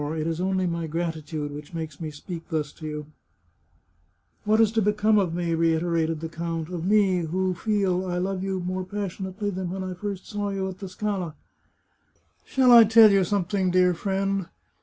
It is only my gratitude which makes me speak to you thus." " What is to become of me ?" reiterated the count ;" of me, who feel I love you more passionately than when I first saw you at the Scala ?"" Shall I tell you something, dear friend